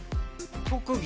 特技？